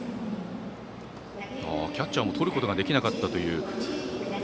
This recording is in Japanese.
キャッチャーもとることができなかったという。